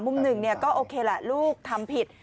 มุมหนึ่งก็โอเคแหละลูกทำผิด